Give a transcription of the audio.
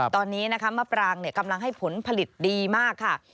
ตอนนี้นะคะมะปรางกำลังให้ผลผลิตดีมากค่ะ